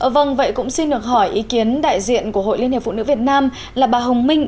vâng vậy cũng xin được hỏi ý kiến đại diện của hội liên hiệp phụ nữ việt nam là bà hồng minh